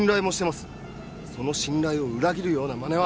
その信頼を裏切るようなまねは。